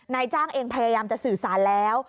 นายจ้างเองพยายามจะสื่อสารแล้ว